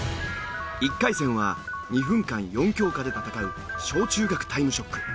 １回戦は２分間４教科で戦う小中学タイムショック。